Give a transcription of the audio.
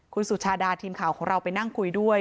คุณสุชาดาทีมข่าวของเราไปนั่งคุยด้วย